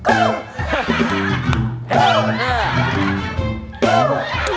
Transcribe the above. อ้าวเธอแพ้ครับ